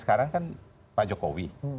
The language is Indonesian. sekarang kan pak jokowi